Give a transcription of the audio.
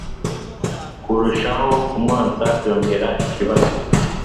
Kurushaho kumwonsa byongera ikibazo